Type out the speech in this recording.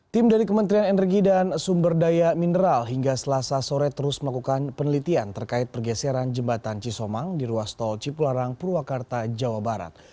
tim dari kementerian energi dan sumber daya mineral hingga selasa sore terus melakukan penelitian terkait pergeseran jembatan cisomang di ruas tol cipularang purwakarta jawa barat